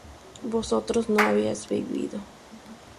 vosotros no habéis vivido